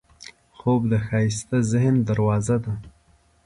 خوب د ښایسته ذهن دروازه ده